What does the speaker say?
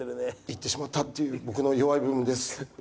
いってしまったっていう僕の弱い部分です。